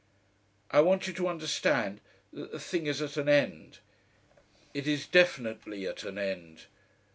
"I want you to understand that the thing is at an end. It is definitely at an end.